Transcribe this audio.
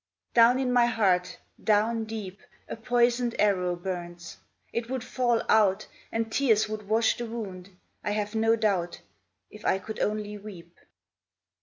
Down in my heart, down deep A poisoned arrow burns. It would fall out And tears would wash the wound, I have no doubt, If I could only weep.